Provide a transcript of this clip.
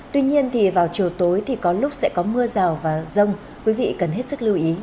tuy nhiên thì vào chiều tối thì có lúc sẽ có mưa rào và rông quý vị cần hết sức lưu ý